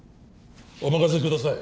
お任せください